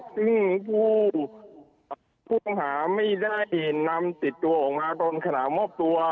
ซึ่งผู้ต้องหาไม่ได้นำติดตัวออกมาตอนขณะมอบตัว